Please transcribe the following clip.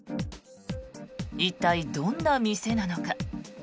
一体どんな店なのか。